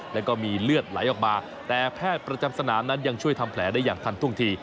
แล้วก็มีเลือดไหลออกมาแต่แพทย์ประจำสนามนั้นยังช่วยทำแผลได้อย่างทันท่วงที